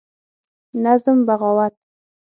نظم: بغاوت